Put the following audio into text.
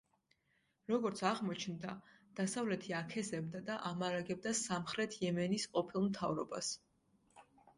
როგორც აღმოჩნდა, დასავლეთი აქეზებდა და ამარაგებდა სამხრეთ იემენის ყოფილ მთავრობას.